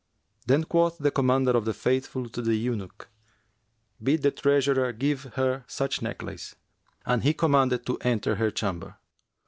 Then quoth the Commander of the Faithful to the eunuch, 'Bid the treasurer give her such necklace;' and he commanded to enter her chamber.